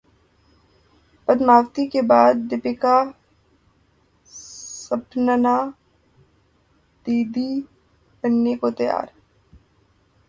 پدماوتی کے بعد دپیکا سپننا دی دی بننے کو تیار